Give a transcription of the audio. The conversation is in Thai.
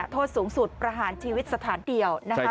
โทษสูงสุดประหารชีวิตสถานเดียวนะคะ